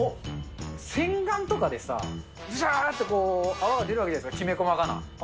洗顔とかでさ、ぶしゅーって泡が出るわけじゃないですか、きめ細かな。